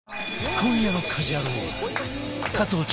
今夜の『家事ヤロウ！！！』は加藤茶